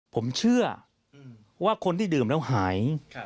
ผมเชื่อว่าคนที่ดื่มแล้วหาย